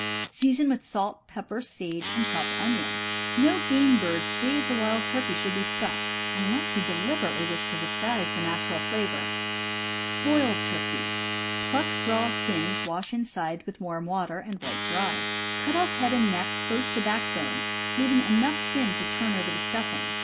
Season with salt, pepper, sage, and chopped onion. No game bird save the wild turkey should be stuffed, unless you deliberately wish to disguise the natural flavor. Boiled Turkey. — Pluck, draw, singe, wash inside with warm water, and wipe dry. Cut off head and neck close to backbone, leaving enough skin to turn over the stuffing.